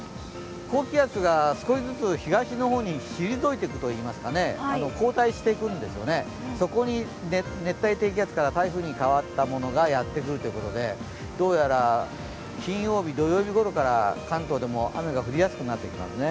高気圧が少しずつ東の方に退いていくといいますか後退していくんですよね、そこに熱帯低気圧から台風に変わったものがやってくるということで、どうやら金曜日、土曜日ごろから関東でも雨が降りやすくなってきますね。